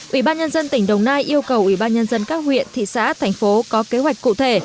ủy ban nhân dân tỉnh đồng nai yêu cầu ủy ban nhân dân các huyện thị xã thành phố có kế hoạch cụ thể